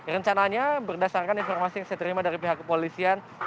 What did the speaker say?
rencananya berdasarkan informasi yang saya terima dari pihak kepolisian